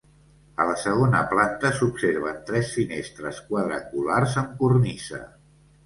A la segona planta s'observen tres finestres quadrangulars amb cornisa.